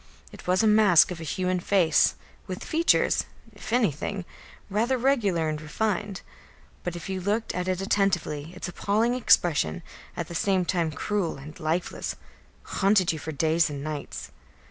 It was a mask of a human face, with features, if anything, rather regular and refined, but if you looked at it attentively its appalling expression, at the same time cruel and lifeless, haunted you for days and nights.